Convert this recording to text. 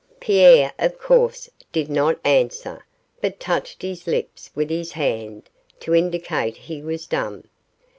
Pierre, of course, did not answer, but touched his lips with his hand to indicate he was dumb.